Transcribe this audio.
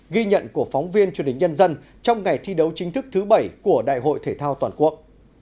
ghi nhận của phóng viên truyền hình nhân dân trong ngày thi đấu chính thức thứ bảy của đại hội thể thao toàn quốc